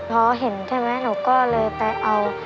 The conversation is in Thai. พอเห็นใช่ไหมหนูก็เลยไปเอา